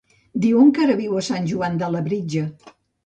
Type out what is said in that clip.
Diuen que ara viu a Sant Joan de Labritja.